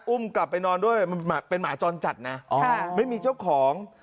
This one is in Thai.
อุ้มกลับไปนอนด้วยมันเป็นหมาจรจัดนะอ๋อไม่มีเจ้าของ